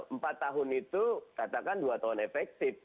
empat tahun itu katakan dua tahun efektif